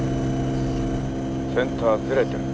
センターずれてる。